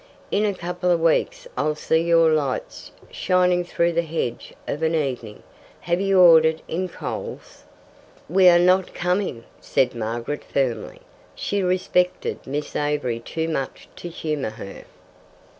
In a couple of weeks I'll see your lights shining through the hedge of an evening. Have you ordered in coals?" "We are not coming," said Margaret firmly. She respected Miss Avery too much to humour her.